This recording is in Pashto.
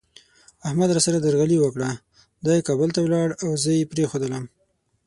احمد را سره درغلي وکړه، دی کابل ته ولاړ او زه یې پرېښودلم.